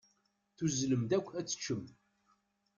Tuzzlem-d akk ad teččem.